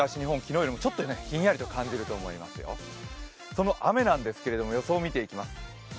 その雨なんですけれども、予想を見ていきます。